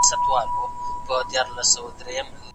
مغولو په پخوا کي ځيني تېروتني وکړي.